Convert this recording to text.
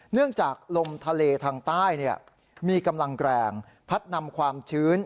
เนื่องจากลมทะเลทางใต้มีกำลังแรงพัดนำความชื้น